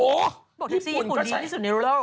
บอกเท็กซี่ญี่ปุ่นดีที่สุดในรู้แล้ว